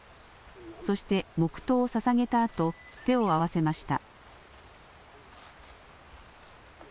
そして黙とうをささげたあと、手を合わせました。